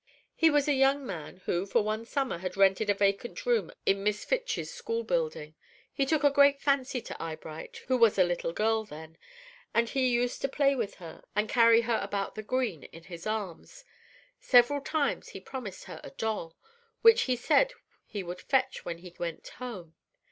He was a young man who for one summer had rented a vacant room in Miss Fitch's school building. He took a great fancy to Eyebright, who was a little girl then, and he used to play with her, and carry her about the green in his arms. Several times he promised her a doll, which he said he would fetch when he went home.